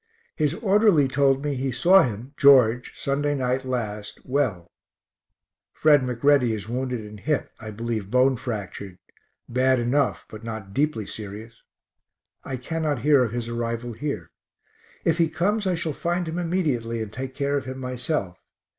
His orderly told me he saw him, George, Sunday night last, well. Fred McReady is wounded in hip, I believe bone fractured bad enough, but not deeply serious. I cannot hear of his arrival here. If he comes I shall find him immediately and take care of him myself.